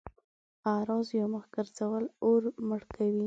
اعراض يا مخ ګرځول اور مړ کوي.